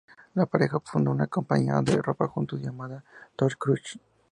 La pareja fundó una compañía de ropa juntos, llamada "Tour Crush".